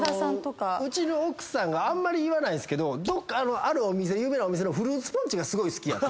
うちの奥さんがあんまり言わないんですけどあるお店有名なお店のフルーツポンチがすごい好きやって。